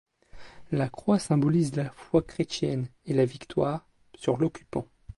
La croix symbolise la foi chrétienne et la victoire sur l’occupant.